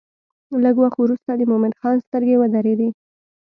لږ وخت وروسته د مومن خان سترګې ودرېدې.